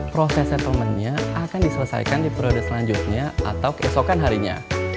proses settlementnya akan diselesaikan di periode selanjutnya atau keesokan harinya